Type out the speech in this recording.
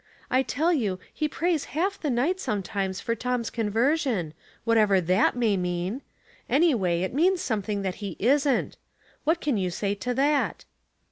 I tell you, he prays half the night sometimes for Tom's conversion, whatever that may mean. Anyway it means something that he isn't. What can you say to that